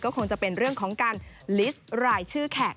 คงจะเป็นเรื่องของการลิสต์รายชื่อแขก